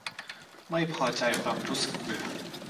ไม่พอใจความรู้สึกเบื่อ